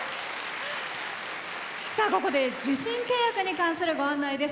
ここで受信契約に関するご案内です。